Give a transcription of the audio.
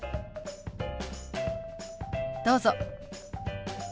どうぞ。